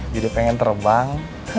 jadi pengen terbang